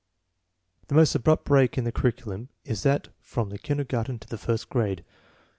"The most abrupt break in the curriculum is that from the kindergarten to the first grade.